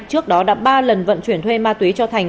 trước đó đã ba lần vận chuyển thuê ma túy cho thành